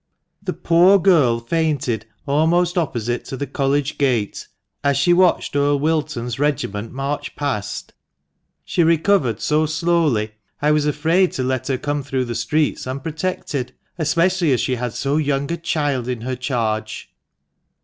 "The poor girl fainted almost opposite to the College gate, as she watched Earl Wilton's regiment march past. She recovered so slowly, I was afraid to let her come through the streets unprotected, especially as she had so young a child in her charge."